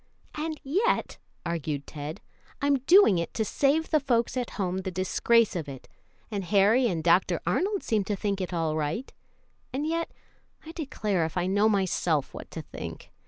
"And yet," argued Ted, "I'm doing it to save the folks at home the disgrace of it, and Harry and Dr. Arnold seem to think it all right; and yet, I declare if I know myself what to think.